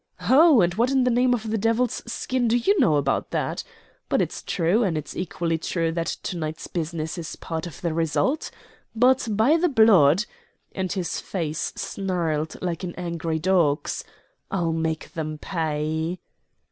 "Ho, and what in the name of the devil's skin do you know about that? But it's true, and it's equally true that to night's business is part of the result. But, by the blood!" and his face snarled like an angry dog's "I'll make them pay."